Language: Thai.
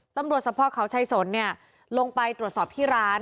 ต้นโรสภพเขาใช่ซนเนี่ยลงไปตรวจสอบที่ร้าน